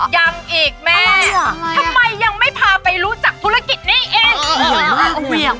ทำไมยังไม่พาไปรู้จักธุรกิจนี้เอง